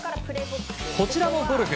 こちらもゴルフ。